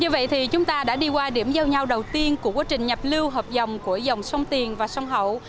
vậy thì chúng ta đã đi qua điểm giao nhau đầu tiên của quá trình nhập lưu hợp dòng của dòng sông tiền và sông hậu